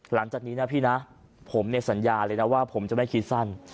หลังจากนี้นะพี่นะผมเนี่ยสัญญาเลยนะว่าผมจะไม่คิดสั้น